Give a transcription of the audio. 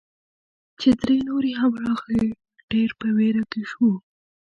چې درې نورې هم راغلې، ډېر په ویره کې شوو.